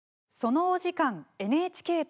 「そのお時間、ＮＨＫと。」